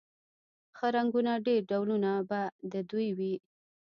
ښه رنګونه ډېر ډولونه به د دوی و